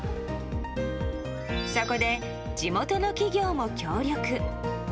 そこで地元の企業も協力。